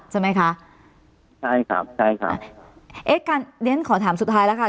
ใช่ไหมคะใช่ครับใช่ค่ะเอ๊ะการเรียนขอถามสุดท้ายแล้วค่ะ